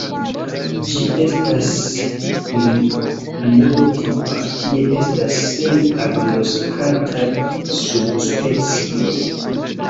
Ĝi estas monotipa, tio estas sen agnoskataj subspecioj.